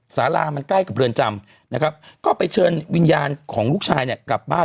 สารามันใกล้กับเรือนจำนะครับก็ไปเชิญวิญญาณของลูกชายเนี่ยกลับบ้าน